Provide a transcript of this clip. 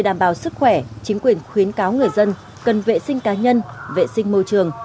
để đảm bảo sức khỏe chính quyền khuyến cáo người dân cần vệ sinh cá nhân vệ sinh môi trường